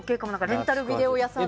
レンタルビデオ屋さんの。